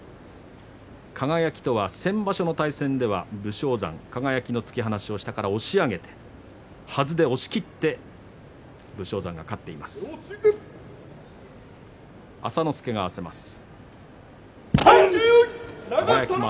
輝とは先場所の対戦では武将山、輝の突き放しを下から押し上げてはずで押しきって武将山が勝っています。